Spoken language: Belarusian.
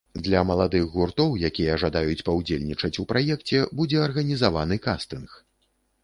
Для маладых гуртоў, якія жадаюць паўдзельнічаць у праекце будзе арганізаваны кастынг.